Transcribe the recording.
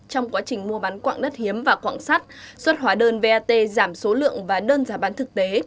trong quá trình mua bán quạng đất hiếm và quạng sắt xuất hóa đơn vat giảm số lượng và đơn giá bán thực tế